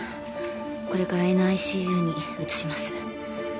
これからＮＩＣＵに移します。